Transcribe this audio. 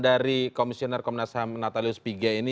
dari komisioner komnas ham natalius pigai ini